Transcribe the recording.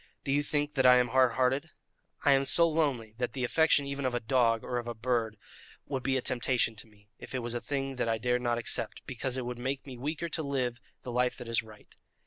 Do you think that I am hard hearted? I am so lonely that the affection even of a dog or a bird would be a temptation to me, if it was a thing that I dared not accept, because it would make me weaker to live the life that is right.